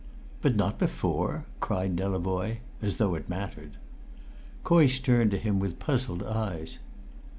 "But not before?" cried Delavoye, as though it mattered. Coysh turned to him with puzzled eyes.